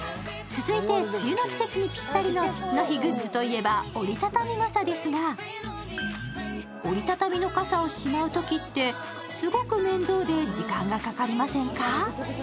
続いて、梅雨の季節にぴったりの父の日グッズといえば折り畳み傘ですが、折り畳みの傘をしまうときって、すごく面倒で時間がかかりませんか？